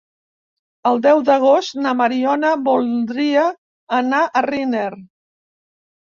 El deu d'agost na Mariona voldria anar a Riner.